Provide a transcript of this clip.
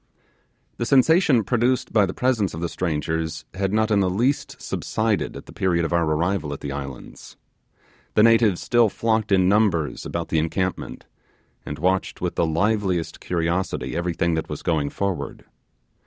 The sensation produced by the presence of the strangers had not in the least subsided at the period of our arrival at the islands. The natives still flocked in numbers about the encampment, and watched with the liveliest curiosity everything that was going forward.